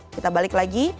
kita balik lagi